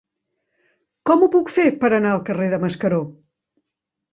Com ho puc fer per anar al carrer de Mascaró?